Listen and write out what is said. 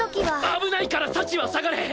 危ないから幸は下がれ！